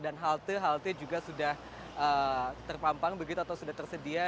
dan halte halte juga sudah terpampang begitu atau sudah tersedia